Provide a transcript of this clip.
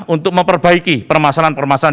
untuk memperbaiki permasalahan permasalahan